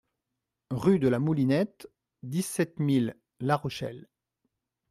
Rue DE LA MOULINETTE, dix-sept mille La Rochelle